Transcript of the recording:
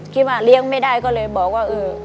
คิดว่าเลี้ยงไม่ได้ก็เลยบอกว่าเออ